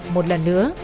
một lần nữa